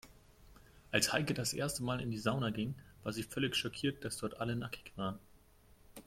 Als Heike das erste Mal in die Sauna ging, war sie völlig schockiert, dass dort alle nackig waren.